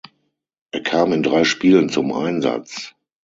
Er kam in drei Spielen zum Einsatz.